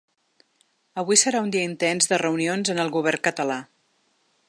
Avui serà un dia intens de reunions en el govern català.